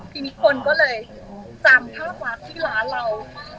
ทีนี้คนก็เลยจำภาพลักษณ์ที่ร้านเรา